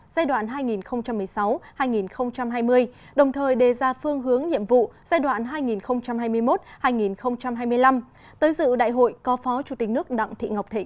giai đoạn hai nghìn một mươi sáu hai nghìn hai mươi đồng thời đề ra phương hướng nhiệm vụ giai đoạn hai nghìn hai mươi một hai nghìn hai mươi năm tới dự đại hội có phó chủ tịch nước đặng thị ngọc thịnh